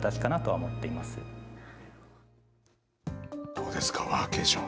どうですか、ワーケーション。